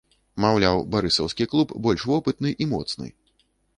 Маўляў, барысаўскі клуб больш вопытны і моцны.